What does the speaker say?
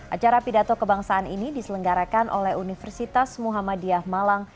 acara pidato kebangsaan ini diselenggarakan oleh universitas muhammadiyah malang